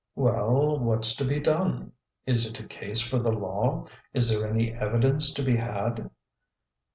"Well, what's to be done? Is it a case for the law? Is there any evidence to be had?"